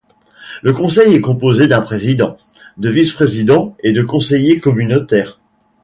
Le conseil est composé d'un président, de vice-présidents et de conseillers communautaires.